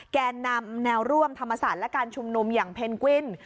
แกนนำแนวร่วมธรรมศาสตร์และการชุมนุมอย่างเพนกวิน